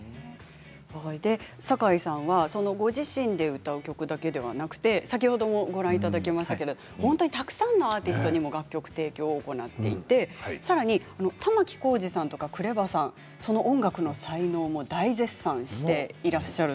さかいさんはご自身で歌うだけではなくて先ほどもご覧いただきましたけれども本当にたくさんのアーティストにも楽曲提供を行っていてさらに玉置浩二さんやＫＲＥＶＡさんはその音楽の才能を知らなかった。